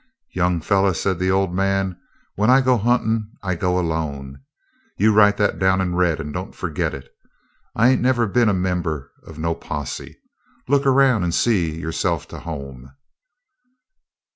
"Young feller," said the old man, "when I go huntin' I go alone. You write that down in red, and don't forget it. I ain't ever been a member of no posse. Look around and see yourself to home."